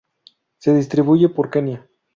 Se distribuye por Kenia.